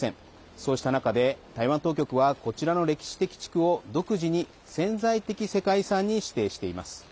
そうした中で台湾当局はこちらの歴史的地区を、独自に潜在的世界遺産に指定しています。